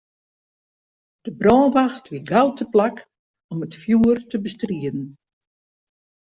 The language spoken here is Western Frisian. De brânwacht wie gau teplak om it fjoer te bestriden.